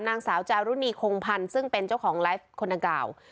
นางสาวจารุณีคงพันธ์ซึ่งเป็นเจ้าของไลฟ์คนดังกล่าว